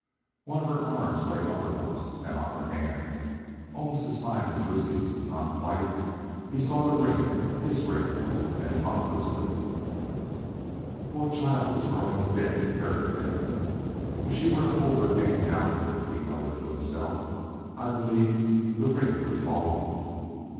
One of her arms lay uppermost and on the hand almost as fine as Lucie's, but not quite, he saw the ring his ring, and it hung loosely. The poor child was growing thin, very thin. "If she were to hold her hand downward," he muttered to himself, "I believe that ring would fall off."